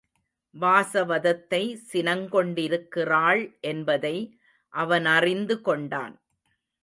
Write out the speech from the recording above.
வாசவதத்தை சினங்கொண்டிருக்கிறாள் என்பதை அவனறிந்து கொண்டான்.